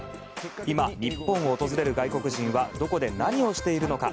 今、日本を訪れる外国人はどこで何をしているのか？